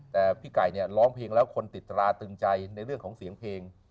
แต่พี่ไก่เนี่ยร้องเพลงแล้วคนติดตราตึงใจในเรื่องของเสียงเพลง